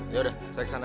yaudah saya kesana nih